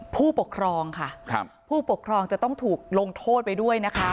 ผู้ปกครองค่ะผู้ปกครองจะต้องถูกลงโทษไปด้วยนะคะ